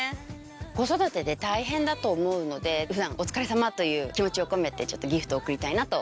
子育てで大変だと思うので普段お疲れさまという気持ちを込めてちょっとギフトを贈りたいなと。